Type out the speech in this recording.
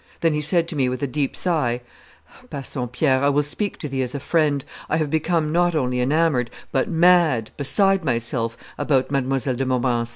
Then he said to me with a deep sigh, 'Bassompierre, I will speak to thee as a friend. I have become not only enamoured, but mad, beside myself, about Mlle. de Montmorency.